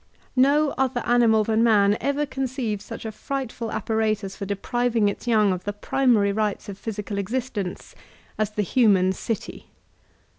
No other animal than man ever conceived such a frightful apparatus for depriving its young of the primary rights of physical existence as the human city.